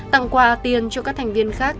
tặng quà tiền cho các thành viên khác